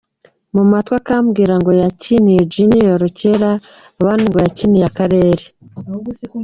mu matwi akambwira ngo yakiniye Junior kera, abandi ngo bakiniye akarere,.